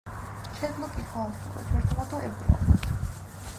შეეძლო კითხვა ლათინურად, ბერძნულად და ებრაულად.